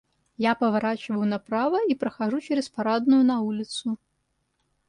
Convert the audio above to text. Я поворачиваю направо и прохожу через парадную на улицу.